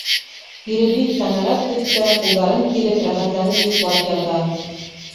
Ире бик ҡәнәғәт төҫтә, ҡулдарын киреп, рәхәтләнеп йоҡлап ята.